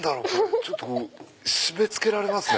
ちょっと締め付けられますね。